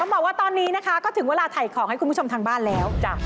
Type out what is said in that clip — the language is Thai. บอกว่าตอนนี้นะคะก็ถึงเวลาถ่ายของให้คุณผู้ชมทางบ้านแล้ว